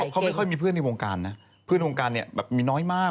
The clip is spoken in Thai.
เขาไม่ค่อยมีเพื่อนในวงการนะเพื่อนวงการเนี่ยแบบมีน้อยมาก